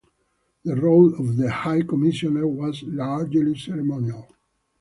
The role of the High Commissioner was largely ceremonial.